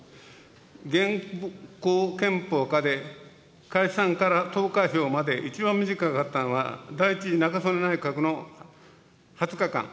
現行憲法下で、解散から投開票まで一番短かったのは、第１次中曽根内閣の２０日間。